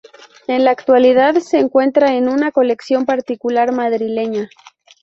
En la actualidad se encuentra en una colección particular madrileña.